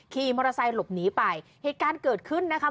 ขี่มอเตอร์ไซค์หลบหนีไปเหตุการณ์เกิดขึ้นนะคะ